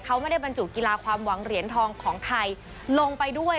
เขาไม่ได้บรรจุกีฬาความหวังเหรียญทองของไทยลงไปด้วย